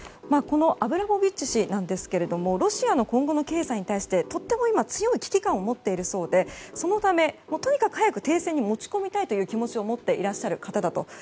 このアブラモビッチ氏なんですけどロシアの今後の経済に対してとっても今、強い危機感を持っているそうでそのため、とにかく早く停戦に持ち込みたいという気持ちを持っていらっしゃる方だと。